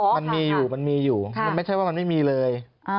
มันมีอยู่มันมีอยู่มันไม่ใช่ว่ามันไม่มีเลย